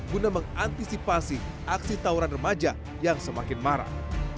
guna mengantisipasi aksi tawuran remaja yang semakin marah